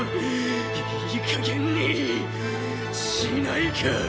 いいかげんにしないか。